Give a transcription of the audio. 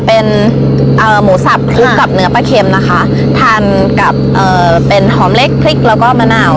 เป็นเอ่อหมูสับคลุกกับเนื้อปลาเค็มนะคะทานกับเอ่อเป็นหอมเล็กพริกแล้วก็มะนาว